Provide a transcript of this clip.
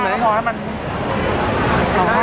ไม้นี้เอาไว้เสียงใครจ้ะ